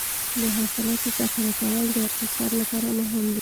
د حاصلاتو ذخیره کول د اقتصاد لپاره مهم دي.